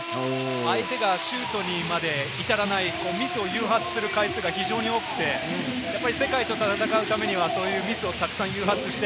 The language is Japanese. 相手がシュートにまで至らない、ミスを誘発する回数が非常に多くて、世界と戦うためには、そういうミスをたくさん誘発して、